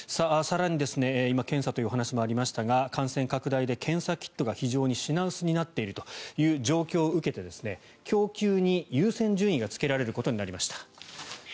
更に今検査というお話もありましたが感染拡大で検査キットが非常に品薄になっている状況を受けて供給に優先順位がつけられることになりました。